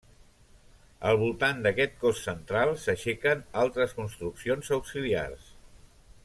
Al voltant d'aquest cos central s'aixequen altres construccions auxiliars.